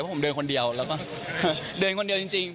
ผมเดินคนเดียวแล้วก็เดินคนเดียวจริง